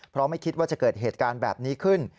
เพราะไม่คิดว่าจะเกิดเหตุการณ์แบบนี้ขึ้น